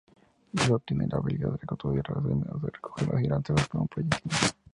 Blue tiene la habilidad de aturdir a los enemigos, recogerlos y lanzarlos como proyectiles.